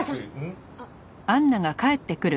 ん？